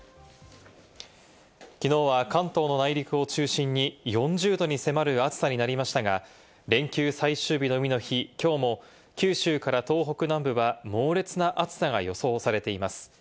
きのうは関東の内陸を中心に４０℃に迫る暑さになりましたが、連休最終日の海の日、きょうも九州から東北南部は猛烈な暑さが予想されています。